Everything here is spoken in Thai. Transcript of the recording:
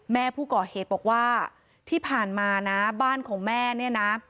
แม่ผู้ก่อเหตุบอกว่าที่ผ่านมานะบ้านของแม่เนี่ยนะ